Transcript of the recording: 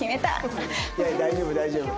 大丈夫大丈夫。